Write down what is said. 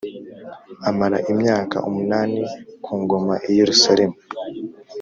amara imyaka umunani ku ngoma i Yerusalemu